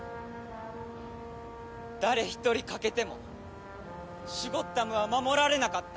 誰一人欠けてもシュゴッダムは守られなかった。